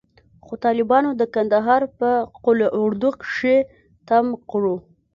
خو طالبانو د کندهار په قول اردو کښې تم کړو.